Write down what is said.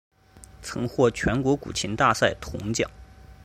曾获全国古琴大赛铜奖。